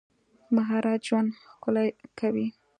مهارت ژوند ښکلی کوي.